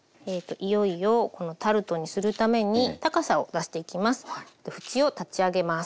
いよいよこのタルトにするために高さを出していきます。